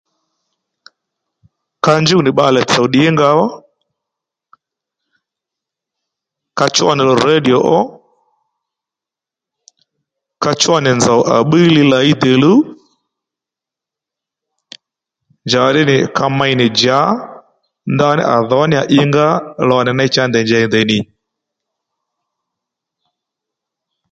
Ka njǔnì bbalè tsò ddǐnga ó, ka chó nì lò radio ó, ka chó nì nzòw à bbíy li làyi dèluw njàddí nì ka mey nì djǎ ndaní à dhǒ í ngá lò nì ney cha ndèy njèy ndèy nì